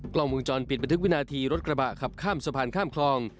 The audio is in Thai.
กล้องวงจรปิดบันทึกวินาทีรถกระบะขับข้ามสะพานข้ามคลอง